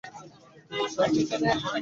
কিন্তু সে তো বেঁচে নেই!